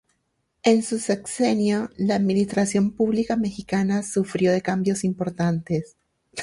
En su sexenio la administración pública mexicana sufrió de cambios importantes.